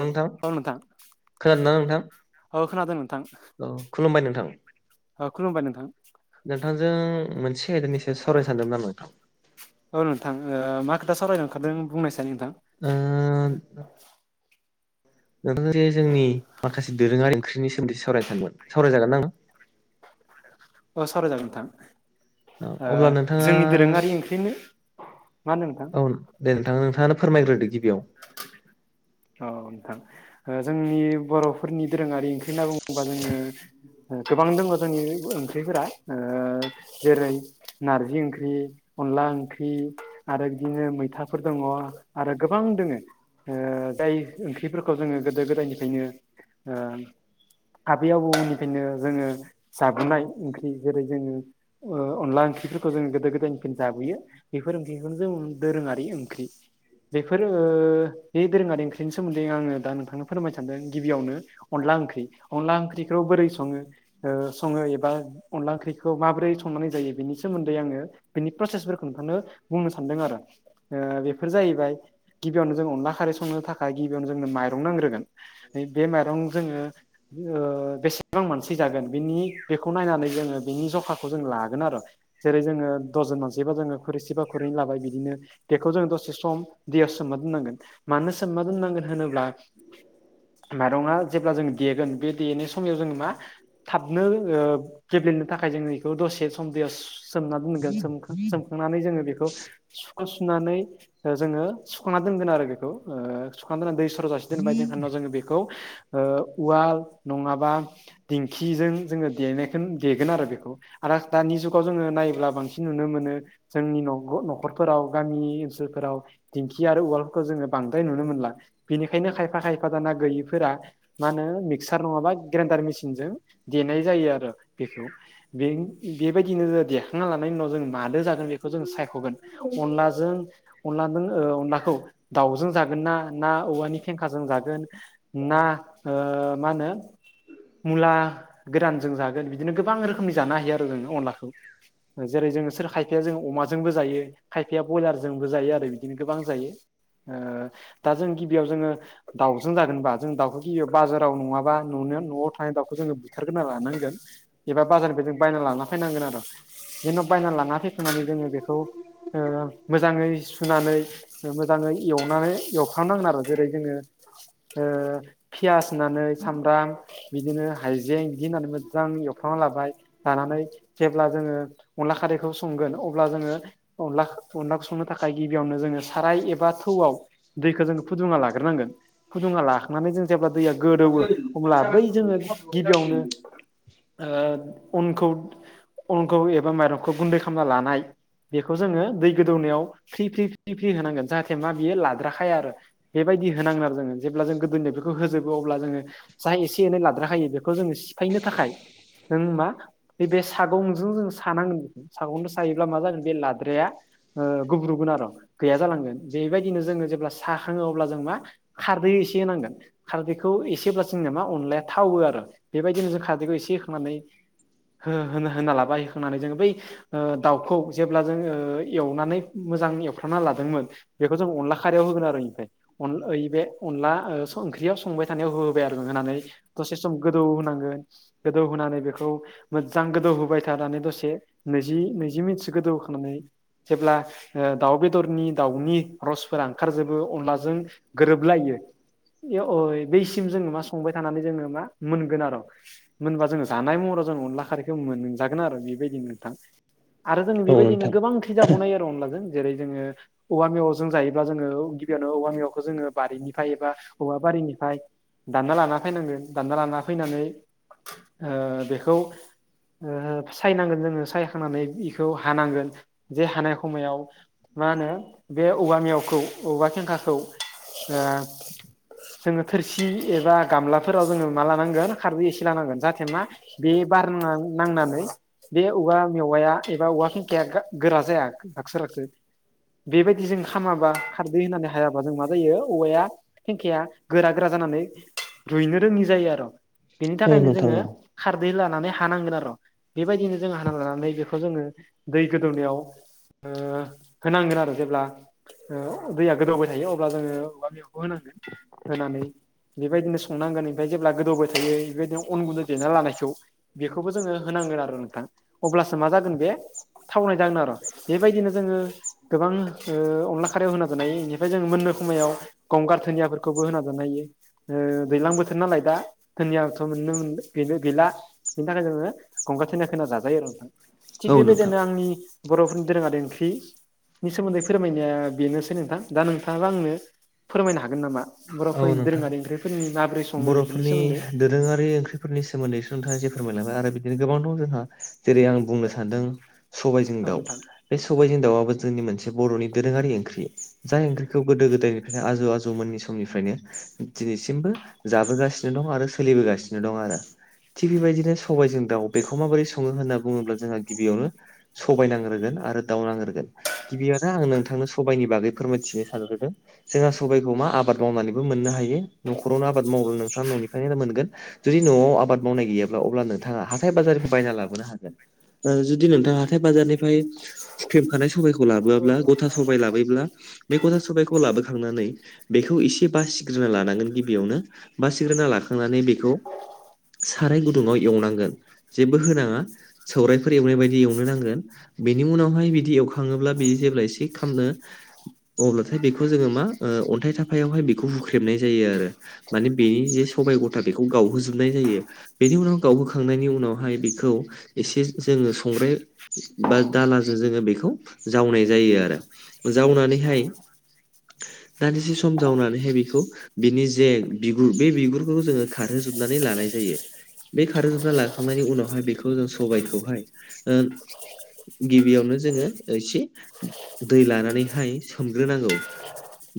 नोंथां खोनादोंना नोंथां। अ खोनादों नोंथां औ खुलुमबाय नोंथां औ खुलुमबाय नोंथां। नोंथांजों मोनसे आयदानिसो सावरायनो सानदोंमोन आं नोंथां। औ नोंथां ओ मा खोथा सावरायनो ओंखारदों बुंनायसाय नोंथां। दा नोंथां जे जोंनि माखासे दोरोङारि ओंख्रिनि सोन्दै सावरायनो सानदोंमोन सावरायजागोन ना नोंथां अ सावराय जागोन औ नोंथां। ओ अब्ला नोंथाङा जोंनि दोरोङारि ओंख्रिनो मा नोंथां औ दे नोंथां नोंथाङानो फोरमायग्रोदो गिबियाव। औ-औ नोंथां ओ जोंनि बर'फोरनि दोरोङारि ओंख्रि होनना बुङोबा जोङो ओ गोबां दोङो जोंनि ओंख्रिफोरा ओ जेरै नारजि ओंख्रि अनला ओंख्रि आरो बिदिनो मैथाफोर दङ आरो गोबां दोङो ओ जाय ओंख्रिफोरखौ जोङो गोदो गोदायनिफ्रायनो ओ आबै आबौमोननिफ्रायनो जोङो जाबोनाय ओंख्रि जेरै जोङो ओ अनला ओंख्रिफोरखौ जों गोदो गोदायनिफ्रायनो जाबोयो। बेफोर ओंख्रिखौनो जों दोरोङारि ओंख्रि बेफोर ओ बे दोरोङारि ओंख्रि बेनि सोमोन्दै आङो दा नोंथांनो फोरमायनो सानदों गिबियावनो अनला ओंख्रि अनला ओंख्रिखौ बोरै सङो ओ सङो एबा अनला ओंख्रिखौ माबोरै संनानै जायो बेनि सोमोन्दै आङो बेनि प्रसेसफोरखौ नोंथांनो बुंनो सानदों आरो। ओ बेफोर जाहैबाय गिबियावनो जों अनला खारै संनो थाखा गिबियावनो जोंनो माइरं नांग्रोगोन ओय बे माइरं जोङो ओ बेसेबां मानसि जागोन बिनि बेखौ नायनानै जोङो बेनि जखाखौ जों लागोन आर'। जेरै जोङो दजन मानसिबा जोङो खोरैसेबा खुरैनै लाबाय बिदिनो बेखौ जों दसे सम दैयाव सोमना दोननांगोन मानो सोमना दोननांगोन होनोब्ला माइरंआ जेब्ला जों देगोन बे देनाय समायाव जोङो मा थाबनो ओ गेब्लेनो थाखाय जोङो इखौ दसे सम दैआव सो सोमना दोनगोन सोमखां सोमखांनानै जोङो बेखौ सुखो सुनानै ओ जोङो सुखांना दोनगोन आरो बेखौ। ओ सुखांनानै दै सर' जासे दोनबाय जोङो बेखौ ओ उवाल नङाबा दिंखिजों जोङो देनायखोन देगोन आरो बेखौ। आरो दानि जुगाव जोङो नायोब्ला बांसिन नुनो मोनो। जोंनि नंग न'खरफोराव गामि ओनसोलफोराव दिंखि आरो उवालखो जोङो बांद्राय नुनो मोनला बेनिखायनो खायफा खायफा दाना गैयिफोरा मानो मिक्सार नङाबा ग्रेन्डार मेसिनजों देनाय जायो आरो बेखौ बें बेबायदिनो जो देखांना लानायनि उनाव जों मादो जागोन बेखौ जों सायखगोन। अनलाजों अनलादों औ अनलाखौ दाउजों जागोन ना, ना औवानि फेंखाजों जागोन। ना ओ मा होनो मुला गोरानजों जागोन बिदिनो गोबां रोखोमनि जानो हायो आरो जोङो अनलाखौ। जेरै जों सोर खायफाया जों अमाजोंबो जायो। खायफाया बयलारजोंबो जायो आरो बिदिनो गोबां जायो। ओ दा जों गिबिआव जोङो दाउजों जागोनबा जों दाउखौ गियो बाजाराव नङाबा न'नो न'आव थानाय दाउखौ जोङो बुथार गोरना लानांगोन। एबा बाजारनिफ्राय जों बायना लाना फायनांगोन आर'। जेन' बायना लाना फैखानानै जोङो बेखौ ओ मोजाङै सुनानै ओ मोज जाङै एवनानै एवखां नांगोन आरो जेरै जोङो ओ पियास होननानै सामब्राम बिदिनो हाइजें इदि होननानै मोजां एवफ्रामना लाबाय लानानै जेब्ला जोङो अनला खारैखौ संगोन अब्ला जोङो अनलाखो अनलाखौ संनो थाखाय गिबियावनो जोङो साराय एब बा थौआव दैखौ जों फुदुंना लाग्रो नांगोन फुदुंना लाखांनानै जों जेब्ला दैया गोदौयो अब्ला बै जोङो गिबियावनो ओ अनखौ, अनखौ एबा माइरंखौ गुन्दै खामना लानाय बेखौ जोङो दै गोदौनायाव फ्रि फ्रि फ्रि फ्रि होनांगोन जाहाथे मा बियो लाद्राखाया आरो। बेबायदि होनांगोन आरो जोङो जेब्ला जों गोदोनो बेखौ होजोबो अब्ला जोङो। जा एसे एनै लाद्राखायो बेखौ जोङो सिफायनो थाखाय नों मा नैबे सागंजों जों सानांगोन सागंजों सायोब्ला मा जागोन बे लाद्राया ओ गुब्रुगोन आर' गैया जालांगोन। बेबायदिनो जोङो जेब्ला साखाङो अब्ला जों मा खारदै एसे होनांगोन। खारदैखौ एसे होब्ला जोंना मा अनलाया थावो आरो बेबायदिनो जों खारदैखौ एसे होखांनानै हो होनो होना लाबाय होखांनानै जोङो बै ओ दाउखौ जेब्ला जों ओ एवनानै मोजां एवफ्रामना लादोंमोन। बेखौ जों अनला खारैयाव होगोन आरो इनिफ्राय। अन ओय बे अनला ओ स ओंख्रियाव संबाय थानायाव होबाय आरो होननानै दसे सम गोदौ होनांगोन गोदौ होनानै बेखौ मोजां गोदौ होबाय थानानै दसे नैजि नैजि मिनिटसो गोदौ होखांनानै जेब्ला ओ दाउ बेदरनि दाउनि र'सफोरा ओंखारजोबो अनलाजों गोरोबलायो। इयो अ' बैसिम जोङो मा संबाय थानानै जोङो मा मोनगोन आर'। मोनबा जोङो जानाय महराव जों अनला खारैखो मोनजागोन आरो बेबायदिनो नोंथां। आरो जोंनि औ बेबायदिनो नोंथां गोबां ओंख्रि जाबावनाय आर' अनलाजों जेरै जोङो औवा मेवाय जों जायोब्ला जोङो गिबियावनो औवा मेवखौ जोङो बारिनिफाय एबा औवा बारिनिफाय दानना लाना फैनांगोन दानना लाना फैनानै ओ बेखौ ओ सायनांगोन जोङो सायखांनानै इखौ हानांगोन जे हानाय खमायाव मा होनो बे औवा मेवखौ औवा फेंखाखौ ओ जोङो थोरसि एबा गामलाफोराव जोङो मा लानांगोन खारदै एसे लानांगोन जाहाथे मा बे बार ना नांनानै। बे औवा मेवाया एबा औवा थेंखाया गोरा जाया राखसो राखसो। बेबायदि जों खामाबा खारदै होननानै हायाबा जों मा जायो औवाया। थेंखाया गोरा गोरा जानानै रुइनो रोङि जायो आर औ बेनि नोंथां जोङो। औ खारदै लानानै हानांगोन आर बेबायदिनो जों हाना लानानै बेखौ जोङो दै गोदौनायाव ओ होनांगोन आरो जेब्ला ओ दैया गोदावबाय थायो अब्ला जोङो औवा मेवायखौ होनांगोन होनानै बेबायदिनो संनांगोन ओमफ्राय जेब्ला गोदौबाय थायो बेबायदिनो अन गुन्दुं देना लानायखौ बेखौबो जोङो होनांगोन आरो नोंथां अब्लासो मा जागोन बे थावनाय जागोन आर बेबायदिनो जोङो गोबां ओअनला खारायाव होना जानो हायो बेनिफ्राय जों मोननो समायाव गंगार धुनियाफोरखौबो होना जानो हायो। ओ दैज्लां बोथोर नालाय दा धोनियाथ मोननो मोननो गैला। बिनि थाखाय जोङो गंगार धोनदियाखो होना जाजायो आरो नोंथां। थिग औ नोंथां बेबायदिनो आंनि बर'फोरनि दोरोङारि ओंख्रिनि सोमोन्दै फोरमायनाया बेनोसै नोंथां दा नोंथाङाबो आंनो फोरमायनो हागोन नामा। औ बर'फोरनि नोंथां दोरोङारि ओंख्रिफोरनि माबोरै सङो बेफोरनि बर'फोरनि सोमोन्दै। दोरोङारि ओंख्रि फोरनि सोमोन्दै नोंथाङा जे फोरमायलांबाय आरो बिदिनो गोबां दं जोंहा। जेरै आं बुंनो सान्दों सबायाइजों औ दाउ। नोंथां बे सबायजों दावआबो जोंनि मोनसे बर'नि दोरोङारि ओंख्रि। जाय ओंख्रिखौ गोदो गोदायनिफ्रायनो आजौ आजौमोननि समनिफ्रायनो। दिनैसिमबो जाबोगासिनो दं आरो सोलिबोगासिनो दं आरो थिग बेबायदिनो सबबायजों दाउ बेखौ माबोरै सङो होनना बुङोब्ला जोंहा गिबियावनो सबाय नांग्रोगोन आरो दाउ नांग्रोगोन। गिबिआवनो आं नोंथांनो सबाइनि बागै फोरमायथिनो सानग्रोदों जोंहा सबायखौ मा आबाद मावनानै मोननो हायो न'खावनो आबाद मावना नोंथाङा ननि ओंखायनो मोनगोन जुदि न'आव आबाद मावनाय गैयाब्ला अब्ला नोंथाङा हाथाय बाजार बायना लाबोनो हागोन। जुदि नोंथाङा हाथाय बाजारनिफ्राय हुख्रेमखानाय सबायखौ लाबोआब्ला गथा सबाय लाबोयोब्ला बे गथा सबायखौ लाबोखांनानै बेखौ इसे बासिग्रोना लानांगोन गिबियावनो बासिग्रोना लाखांना बेखौ साराय गुदुंङाव एवनांगोन जेबो होनाङा। सौरायफोर एवनाय बायदि एवनो नांगोन। बेनि उनावहाय बिदि एवखाङोब्ला बिदि जेब्ला एसे खामनो अब्लाथाय बेखौ जोङो मा ओ अन्थाइ थाफायावहाय बेखौ हुख्रेबनाय जायो आरो। माने बेनि जे सबाय गथा बेखौ गावहोजोबनाय जायो। बेनि उनाव गावहोखांनायनि उनावहाय बेखौ एसे जोङो संग्राय बा दालाजों जोङो बेखौ जावनाय जायो आरो। जावनानैहाय दान्दिसे सम जावनानै बेखौ बिनि जे बिगुर बे बिगुरखौ जोङो खारहोजोबनानै लानाय जायो। बे खारो जोबना लाखांनायनि उनावहाय बेखौ जों सबायखौहाय ओ गिबियावनो जोङो एसे दै लानानैहाय सोमग्रोनांगौ।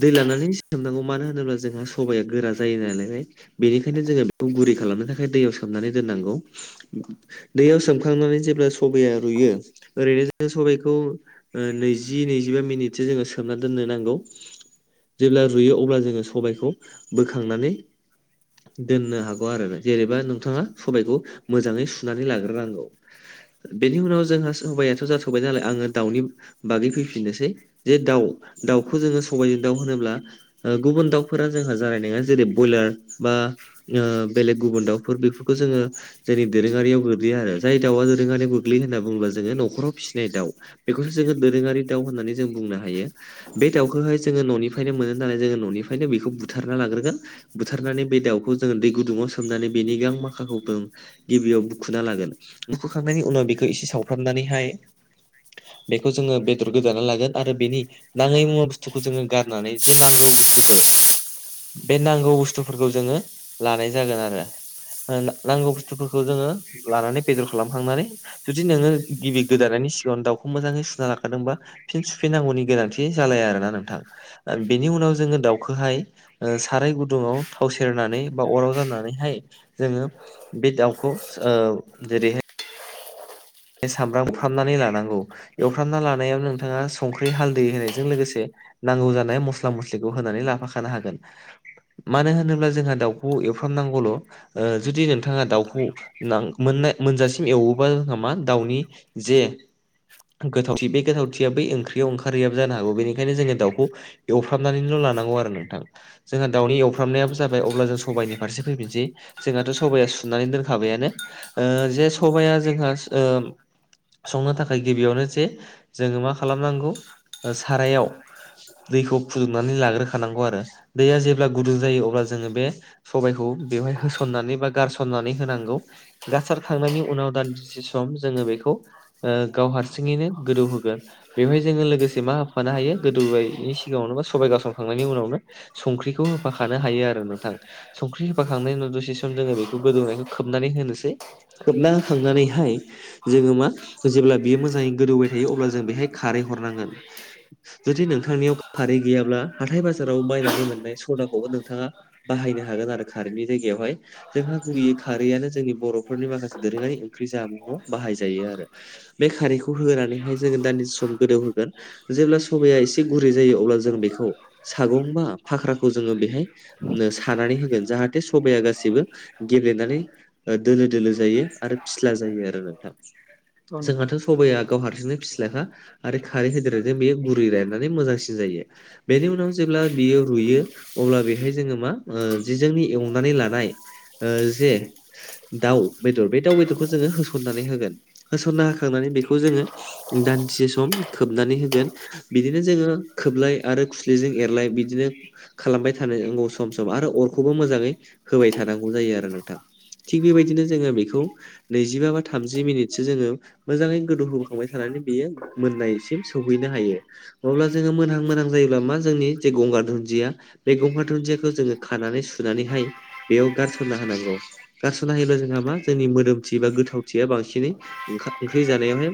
दै लानानै सोमनांगौ मानो होनोब्ला जोंहा सबाया गोरा जायो नालाय। बेनिखायनो जोङो बेखौ गुरै खालामनो थाखाय दैयाव सोमनानै दोननांगौ। दैयाव सोमखांनानै जेब्ला सबया रुइयो ओरैनो जोङो सबाइखौ ओ नैजि नैजिबा मिनिटसो जोङो सोमना दोननो नांगौ जेब्ला रुयो अ अब्ला जोङो सबायखौ बोखांनानै दोननो हागौ आरो जेनेबा नोंथाङा सबायखौ मोजाङै सुनानै लाग्रो नांगौ। बेनि उनाव जोंहा सबायाथ जाथबाय नालाय आङो दाउनि बागै फैफिननोसै जे दाउ दाउखौ जोङो सबायजों दाव होनोब्ला ओ गुबुन दाउफोरा जोंहा जानाय नङा जेरै ब्रयलार बा ओ बेलेग गुबुन दाउफोर बेफोरखौ जोङो जेरै दोरोङारियाव गोग्लैया आरो जाय दाउआ दोरोङारियाव गोग्लैयो होनना बुङोब्ला जोङो नखराव फिसिनाय दाउ। बेखौसो जोङो दोरोङारि दाउ होननानै जों बुंनो हायो बे दाउखौहाय जोङो न'निफ्रायनो मोनो। नानै जोङो न'निफ्रायनो बेखौ बुथारना लाग्रोगोन। बुथारनानै बे दाउखौ जोङो दै गुदुङाव सोमनानै बेनि गां माखाखौ [inaudible] गिबियाव बुखुना लागोन बुखुखांनायनि उनाव बेखौ इसे सावफ्रामनानैहाय बेखौ जोङो बेदर गोदाना लागोन आरो बेनि नाङै मुवा बुस्थुखौ जोङो गारनानै जे नांगौ बुस्थुफोर बे नांगौ बुस्थुफोरखौ जोङो लानाय जागोन आरो। ओ नांगौ बुस्थुफोरखौ जोङो लानानै बेदर खालामखांनानै जुदि नोङो गिबि गोदानायनि सिगाङाव दाउखौ मोजाङै सुना लाखादोंबा फिन सुफिननांगौनि गोनांथि जालाया आरोना नोंथां। ओ बिनि उनाव जोङो दाउखौहाय ओ साराय गुदुङाव थाव सेरनानै बा अराव जानानैहाय जोङो बे दाउखौ ओ जेरैहाय सामब्राम एवफ्रामनानै लानांगौ एवफ्रामना लानायाव नोंथाङा संख्रि हालदै होनायजों लोगोसे नांगौ जानाय मस्ला मस्लिखौ होनानै लाफाखानो हागोन। मानो होनोब्ला जोंहा दाउखौ एवफ्रामनांगौल'। ओ जुदि नोंथाङा दाउखौ नां मोनाय मोनजासिम एवोबा जोंहा मा दाउनि जे गोथावथि बे गोथावथिया बै ओंख्रियाव ओंखारहैयाबो बेनिखायनो जोङो दाउखौ एवफ्रामनानैल' लानांगौ आरो नोंथां जोंहा दाउनि एवफ्रामनायाबो जाबाय अब्ला जों सबाइनि फारसे फैफिनसै जोंहाथ' सबाया सुनानै दोनखाबायानो ओ जे सबाया जोंहा ओम। संनो थाखाय गिबियावनो जे जोङो मा खालामनांगौ ओ सारायाव दैखौ फुदुंनानै लाग्रोखानांगौ आरो दैया जेब्ला गुदुं जायो अब्ला जोङो बे सबायखौ बेवहाय होसननानै बा गारसननानै होनांगौ गारसारखांनायनि उनाव दानदीसे सम जोङो बेखौ ओ गाव हारसिङैनो गोदौ होगोन। बेवहाय जोङो लोगोसे मा होफानो हायो गोदौनायनि सिगाङावनो बा सबाइ गारसनखांनायनि उनावनो संख्रिखौ होफाखानो हायो आरो नोंथां। संख्रि होफाखांनायनि उनाव दसे सम जोङो बेखौ गोदौनायखौ खोबनानै होनोसै। खोबना होखांनानैहाय जोङो मा जेब्ला बियो मोजाङै गोदौबाय थायो अब्ला जों बेहाय खारै हरनांगोन। जुदि नोंथांनियाव खारै गैयाब्ला हाथाय बाजाराव बायनानै मोननाय सदाखौबो नोंथाङा बाहायनो हागोन आरो खारैनि जायगायावहाय। जोंहा गुबैयै खारैआनो जोंनि बर'फोरनि माखासे दोरोङारि ओंख्रि [inaudible] बाहाय जायो आरो। बे खारैखौ होनानैहाय जोङो दानदीसे सम गोदौहोगोन जेब्ला सबाइया एसे गुरै जायो अब्ला जों बेखौ सागं बा फाख्राखौ जोङो बेहाय नो सानानै होगोन जाहाथे सबाया गासिबो गेब्लेनानै ओ दोलो दोलो जायो आरो फिस्ला जायो आरो नोंथां औ नोंथां जोंहाथ' सबाया गाव हारसिंनो फिस्लाखा आरो खारै होेदेरनायजों बेयो गुरै रायनानै मोजांसिन जायो। बेनि उनाव जेब्ला बियो रुयो अब्ला बेहाय जोङो मा ओ जि जोंनि एवनानै लानाय ओ जे दाउ बेदर बे दाव बेदरखौ जोङो होसननानै होगोन होसनना होखांनानै बेखौ जोङो दान्दिसे सम खोबनानै होगोन। बिदिनो जोङो खोबलाय आरो खुस्लिजों एरलाय बिदिनो खालामबाय थानो न सम सम आरो अरखौबो मोजाङै होबाय थानांगौ जायो आरो नोंथां। थिग बेबायदिनो जोङो बेखौ नैजिबा बा थामजि मिनिटसो जोङो मोजाङै गोदौहोबोखांबाय थानानै बियो मोननायसिम सौहैनो हायो। अब्ला जोङो मोनहां मोनहां जायोब्ला मा जोंनि जे गंगार दुन्दिया बे गंगार दुुन्दियाखौ जोङो खानानै सुनानैहाय बेयाव गारसनना होनांगौ। गारस'ना होयोब्ला जोंहा मा जोंनि मोदोमथि बा गोथाव थिया बांसिनै ओंखा ओंख्रि जानायावनो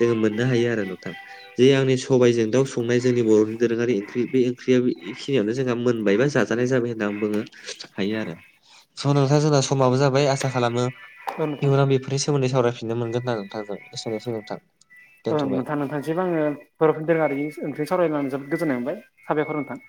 जोङो मोननो हायो आरो नोंथां। जे आंनि सबाइजों दाउ संनाय जोंनि बर'नि दोरोङारि ओंख्रि बे ओंख्रिया इखिनियावनो जोंहा मोनबायबा जा जानाय जाबाय होनना आं बुङो हायो आरो स' नोंथां जोंना समाबो जाबाय आसा खालामो औ नोंथां इयुनाव बेफोरनि सोमोन्दै सावरायफिननो मोनगोन होनना नोंथांजों एसेनोसै नोंथां। औ दोनथ'बाय नोंथां नोंथांसिम आङो बर'फोरनि दोरोङारि ओंख्रि सावरायनानै जोबोद गोजोननाय मोनबाय साबायखर नोंथां।